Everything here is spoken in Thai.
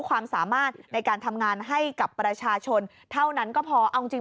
ความสามารถในการทำงานให้กับประชาชนเท่านั้นก็พอเอาจริง